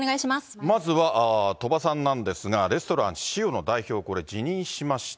まずは鳥羽さんなんですが、レストランシオの代表、辞任しました。